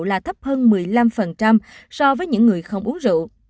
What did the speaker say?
là thấp hơn một mươi năm so với những người không uống rượu